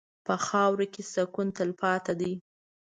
په خاوره کې سکون تلپاتې دی.